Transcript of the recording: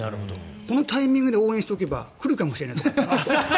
このタイミングで応援しておけば来るかもしれない。